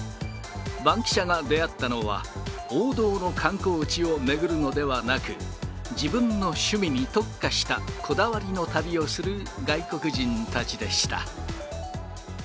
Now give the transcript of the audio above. バンキシャが出会ったのは、王道の観光地を巡るのではなく、自分の趣味に特化した、こだわりの旅をする外国人たちでした。